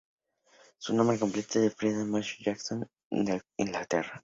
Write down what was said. Su nombre completo era Freda Maud Jackson y nació en Nottingham, Inglaterra.